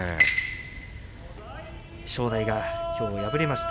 正代が、きょう敗れました。